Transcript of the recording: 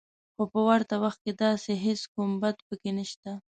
خو په ورته وخت کې داسې هېڅ کوم بد پکې نشته